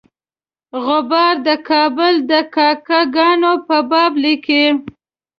غبار د کابل د کاکه ګانو په باب لیکي.